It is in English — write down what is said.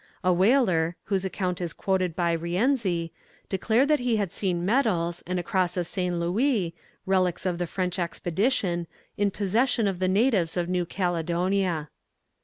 A whaler, whose account is quoted by Rienzi, declared that he had seen medals and a cross of St. Louis, relics of the French expedition, in possession of the natives of New Caledonia.